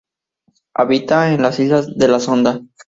Habita en la Islas de la Sonda.